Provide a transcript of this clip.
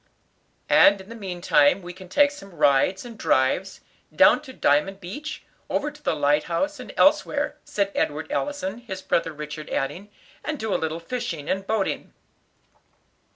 "And in the meantime we can take some rides and drives, down to Diamond Beach, over to the light house, and elsewhere," said Edward Allison, his brother Richard adding, "and do a little fishing and boating."